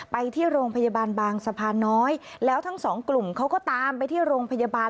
ไปที่โรงพยาบาลบางสะพานน้อยแล้วทั้งสองกลุ่มเขาก็ตามไปที่โรงพยาบาล